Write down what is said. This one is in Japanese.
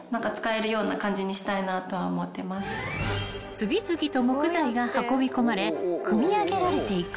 ［次々と木材が運び込まれ組み上げられていく］